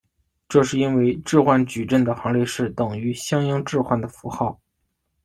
这是因为置换矩阵的行列式等于相应置换的符号。